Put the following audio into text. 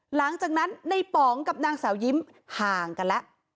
หลังจากนั้นในป๋องกับนางสาวยิ้มห่างกันแล้ว